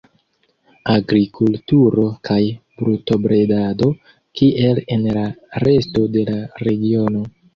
Agrikulturo kaj brutobredado, kiel en la resto de la regiono.